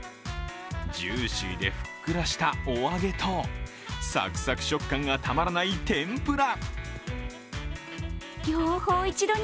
ジューシーでふっくらしたおあげとサクサク食感がたまらない天ぷら。